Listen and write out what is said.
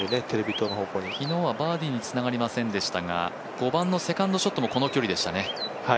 昨日はバーディーにつながりませんでしたが、５番のセカンドショットもこの距離でしたね。